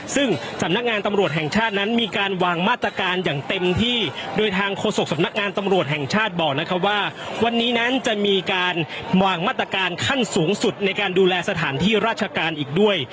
ซึ่งสำนักงานตำรวจแห่งชาตินั้นมีการวางมาตรการอย่างเต็มที่โดยทางโฆษกสำนักงานตำรวจแห่งชาติบอกนะครับว่าวันนี้นั้นจะมีการวางมาตรการขั้นสูงสุดในการดูแลสถานที่ราชการอีกด้วย